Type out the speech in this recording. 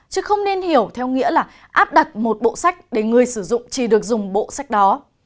chứ không nên hiểu theo nghĩa là áp đặt một bộ sách để người sử dụng chỉ được dùng bộ sách đó